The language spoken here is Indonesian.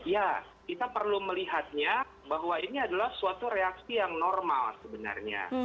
ya kita perlu melihatnya bahwa ini adalah suatu reaksi yang normal sebenarnya